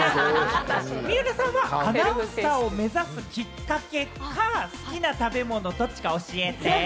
水卜さんはアナウンサーを目指すきっかけか、好きな食べ物、ドッチか教えて？